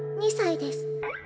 ２才です。